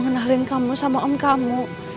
kenalin kamu sama om kamu